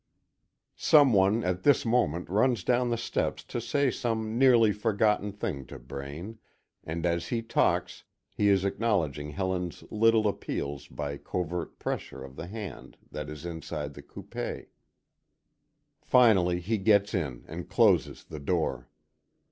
Some one at this moment runs down the steps to say some nearly forgotten thing to Braine, and as he talks he is acknowledging Helen's little appeals by covert pressure of the hand that is inside the coupé. Finally he gets in, and closes the door.